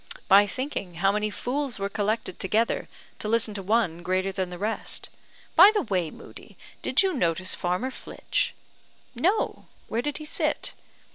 "By thinking how many fools were collected together, to listen to one greater than the rest. By the way, Moodie, did you notice farmer Flitch?" "No; where did he sit?"